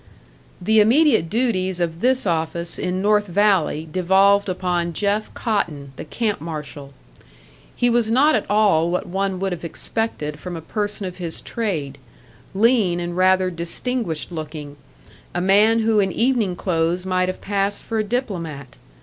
The immediate duties of this office in North Valley devolved upon Jeff Cotton, the camp marshal. He was not at all what one would have expected from a person of his trade lean and rather distinguished looking, a man who in evening clothes might have passed for a diplomat.